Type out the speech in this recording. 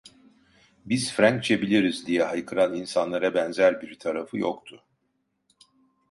"Biz Frenkçe biliriz!" diye haykıran insanlara benzer bir tarafı yoktu.